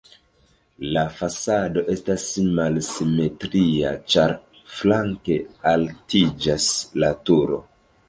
La fasado estas malsimetria, ĉar flanke altiĝas la turo.